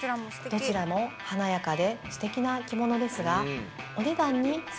どちらも華やかでステキな着物ですが。